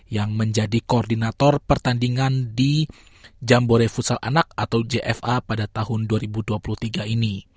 yang menjadi koordinator pertandingan di jambore futsal anak atau jfa pada tahun dua ribu dua puluh tiga ini